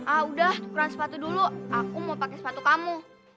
ah udah ukuran sepatu dulu aku mau pakai sepatu kamu